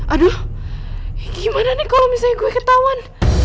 aduh gimana nih kalo misalnya gue ketauan